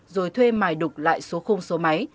rồi thuê mài đục lại số khung số máy